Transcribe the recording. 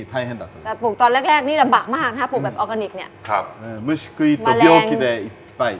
แต่ตอนแรกนี้ปลูกแบบออล์แกนิคแบบนี้ลำบากมากครับ